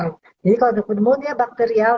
jadi kalau untuk pneumonia bakterial